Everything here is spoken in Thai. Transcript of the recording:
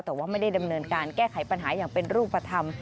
แต่ว่าไม่ได้ดำเนินการแก้ไขปัญหาอย่างเป็นรูปธรรม